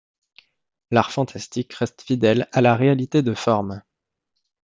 L'art fantastique reste fidèle à la réalité de formes.